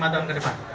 lima tahun ke depan